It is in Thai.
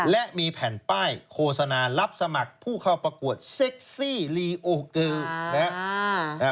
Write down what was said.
และมีแผ่นป้ายโฆษณารับสมัครผู้เข้าประกวดเซ็กซี่ลีโอเกอร์นะฮะ